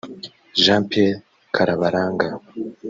Jean Pierre Karabaranga